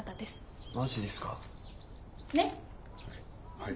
はい。